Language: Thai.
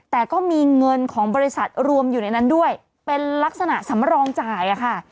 แต่ก็มีเงินของบริษัทรวมอยู่ในนั้นด้วยเป็นลักษณะสำรองจ่ายค่ะ